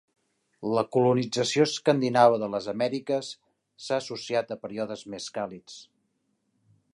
La colonització escandinava de les Amèriques s'ha associat a períodes més càlids.